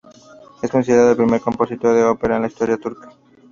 Es considerado el primer compositor de ópera en la historia turca.